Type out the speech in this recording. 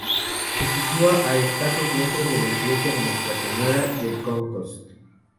Se sitúa a escasos metros de la iglesia de Nuestra Señora del Congost.